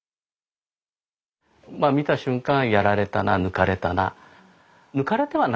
まあ見た瞬間やられたな抜かれたな。